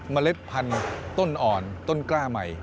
เล็ดพันธุ์ต้นอ่อนต้นกล้าใหม่